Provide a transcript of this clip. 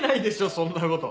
そんなこと。